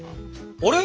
あれ！？